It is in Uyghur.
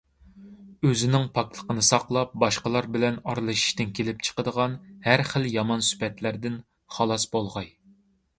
ئۆزىنىڭ پاكلىقىنى ساقلاپ، باشقىلار بىلەن ئارىلىشىشتىن كېلىپ چىقىدىغان ھەر خىل يامان سۈپەتلەردىن خالاس بولغاي.